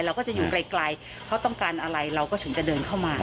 เราก็จะอยู่ไกลเขาต้องการอะไรเราก็ถึงจะเดินเข้ามา